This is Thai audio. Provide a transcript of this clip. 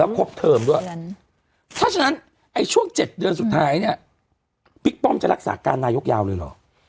ครบเทอมด้วยเพราะฉะนั้นไอ้ช่วง๗เดือนสุดท้ายเนี่ยบิ๊กป้อมจะรักษาการนายกยาวเลยเหรอ